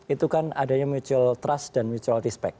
itu kan adanya mutual trust dan mutual despect